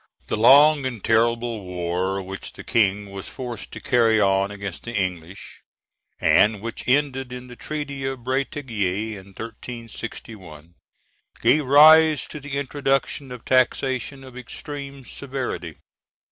The long and terrible war which the King was forced to carry on against the English, and which ended in the treaty of Bretigny in 1361, gave rise to the introduction of taxation of extreme severity.